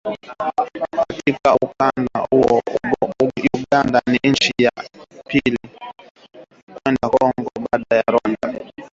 Katika ukanda huo Uganda ni nchi ya pili kwa usafirishaji mkubwa zaidi wa bidhaa kwenda Kongo, baada ya Rwanda